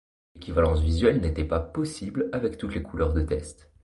L'équivalence visuelle n'était pas possible avec toutes les couleurs de tests.